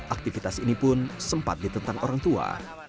aktivitas ini pun sempat ditentang orang tua